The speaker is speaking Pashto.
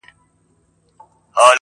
اوس هغه خلک هم لوڅي پښې روان دي!!